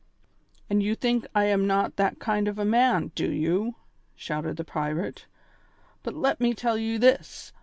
"And you think I am not that kind of a man, do you?" shouted the pirate. "But let me tell you this.